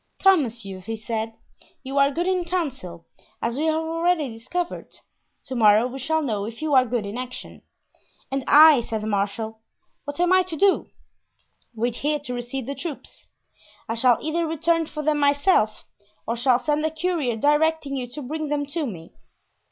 "Come, monsieur," he said, "you are good in council, as we have already discovered; to morrow we shall know if you are good in action." "And I," said the marshal, "what am I to do?" "Wait here to receive the troops. I shall either return for them myself or shall send a courier directing you to bring them to me.